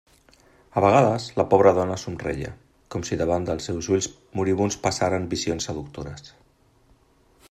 A vegades, la pobra dona somreia, com si davant dels seus ulls moribunds passaren visions seductores.